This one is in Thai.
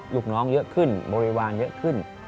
ลูกน้องเยอะขึ้นบริวารเยอะขึ้น